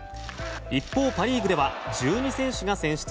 一方、パ・リーグでは１２選手が選出。